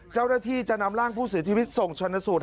เจ้าหน้าที่จะนำร่างผู้เสียชีวิตส่งชนสูตร